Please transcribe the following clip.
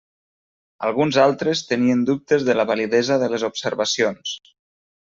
Alguns altres tenien dubtes de la validesa de les observacions.